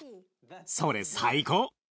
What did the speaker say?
それ最高。